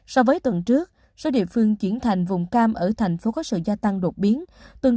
so với tuần trước số địa phương chuyển thành vùng cam ở thành phố có sự gia tăng đột biến